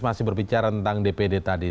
masih berbicara tentang dpd tadi